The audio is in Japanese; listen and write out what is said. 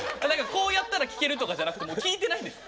「こうやったら聞ける」とかじゃなくてもう聞いてないんですか？